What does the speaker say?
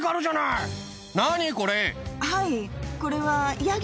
はい。